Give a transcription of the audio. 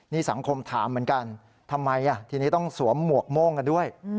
นี่สังคมถามเหมือนกันทำไมทีนี้ต้องสวมหมวกโม่งกันด้วย